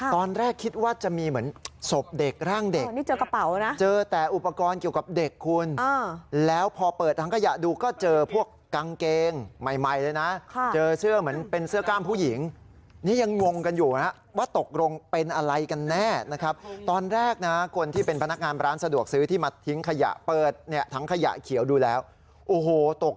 ตอนแรกคิดว่าจะมีเหมือนศพเด็กร่างเด็ก